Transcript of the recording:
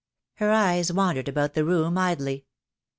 Her eyes wandered about the room idly.